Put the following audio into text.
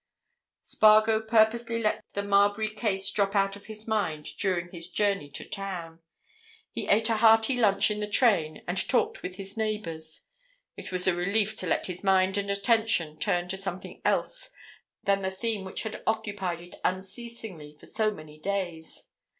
Spargo purposely let the Marbury case drop out of his mind during his journey to town. He ate a hearty lunch in the train and talked with his neighbours; it was a relief to let his mind and attention turn to something else than the theme which had occupied it unceasingly for so many days.